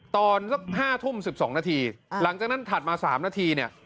ตอนสัก๕ทุ่ม๑๒นาทีหลังจากนั้นถัดมา๓นาทีเนี่ย